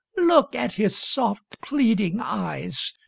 " Look at his soft, pleading eyes.